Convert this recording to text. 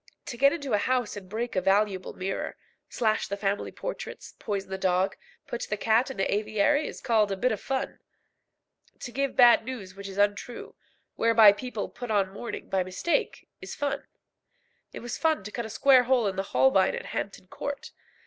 To get into a house and break a valuable mirror, slash the family portraits, poison the dog, put the cat in the aviary, is called "cutting a bit of fun." To give bad news which is untrue, whereby people put on mourning by mistake, is fun. It was fun to cut a square hole in the Holbein at Hampton Court.